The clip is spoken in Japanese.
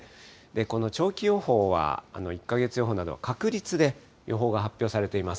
この長期予報は１か月予報などは確率で予報が発表されています。